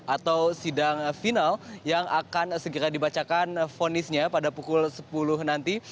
atau sidang final yang akan segera dibacakan fonisnya pada pukul sepuluh nanti